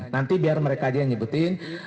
nanti biar mereka aja yang ngikutin